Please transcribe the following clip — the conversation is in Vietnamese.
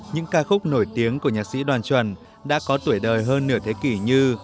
những ca khúc nổi tiếng của nhạc sĩ đoàn chuẩn đã có tuổi đời hơn nửa thế kỷ như